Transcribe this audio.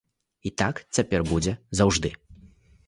І так цяпер будзе заўжды.